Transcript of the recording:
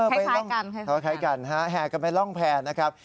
ไปร่องกันคล้ายกันฮะแห่กันไปร่องแพร่นะครับ